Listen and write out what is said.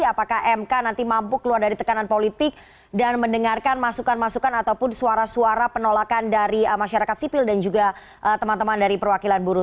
apakah mk nanti mampu keluar dari tekanan politik dan mendengarkan masukan masukan ataupun suara suara penolakan dari masyarakat sipil dan juga teman teman dari perwakilan buruh